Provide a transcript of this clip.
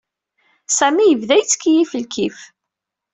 Sami yebda yettkeyyif lkif.